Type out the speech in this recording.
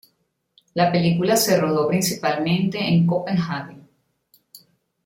La película se rodó principalmente en Copenhague.